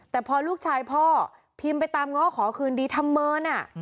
แต่พอลูกชายพ่อพิมพ์ไปตามง้อขอคืนดีทำเมิน